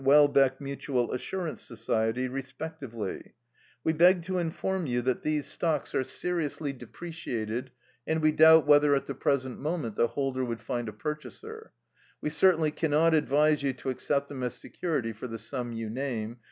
Welbeck Mutual Assurance Society, respectively, we beg to inform you that these stocks are seriously depreciated, and we doubt whether at the present moment the holder would find a purchaser. We certainly cannot advise you to accept them as security for the sum you name.